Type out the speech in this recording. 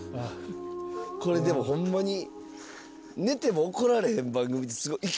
これでもホンマに寝ても怒られへん番組ってすごい。